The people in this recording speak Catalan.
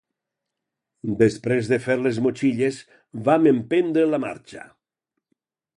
Després de fer les motxilles, vam emprendre la marxa